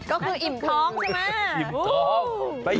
ก็คืออิ่มท้องใช่ไหม